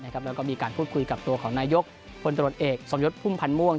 แล้วก็มีการพูดคุยกับตัวของนายกพลตรวจเอกสมยศพุ่มพันธ์ม่วง